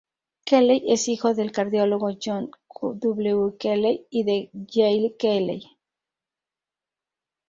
Kelley es hijo del cardiólogo John W. Kelley y de Gayle Kelley.